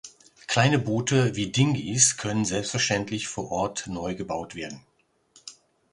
Kleine Boote wie Dinghies können selbstverständlich vor Ort neu gebaut werden.